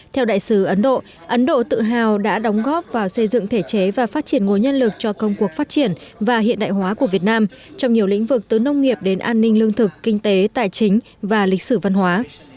theo đại sứ ấn độ ấn độ tự hào đã đóng góp vào xây dựng thể chế và phát triển ngôi nhân lực cho công cuộc phát triển và hiện đại hóa của việt nam trong nhiều lĩnh vực từ nông nghiệp đến an ninh lương thực kinh tế tài chính và lịch sử văn hóa